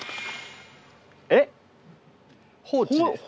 えっ！